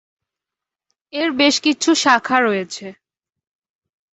এর বেশ কিছু শাখা রয়েছে।